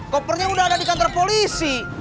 kopernya udah ada di kantor polisi